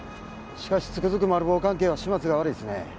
しかしつくづくマル暴関係は始末が悪いっすね。